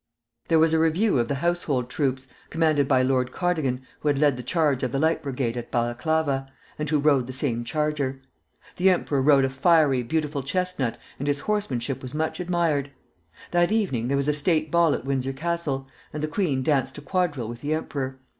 There was a review of the household troops, commanded by Lord Cardigan, who had led the charge of the Light Brigade at Balaclava, and who rode the same charger. The emperor rode a fiery, beautiful chestnut, and his horsemanship was much admired. That evening there was a State ball at Windsor Castle, and the queen danced a quadrille with the emperor.